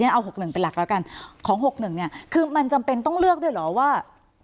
เอา๖๑เป็นหลักแล้วกันของ๖๑เนี่ยคือมันจำเป็นต้องเลือกด้วยเหรอว่า